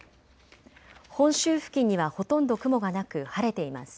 本州付近にはほとんど雲がなく晴れています。